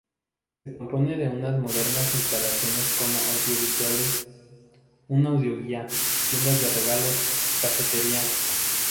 Se compone de unas modernas instalaciones con audiovisuales, un audio-guía, tienda de regalos, cafetería...